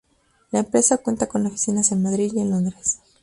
La empresa cuenta con oficinas en Madrid y en Londres.